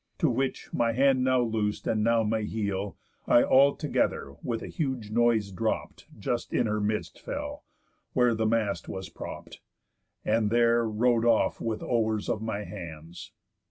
To which, my hand now loos'd and now my heel, I altogether with a huge noise dropp'd, Just in her midst fell, where the mast was propp'd, And there row'd off with owers of my hands.